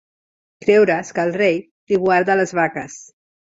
Creure's que el rei li guarda les vaques.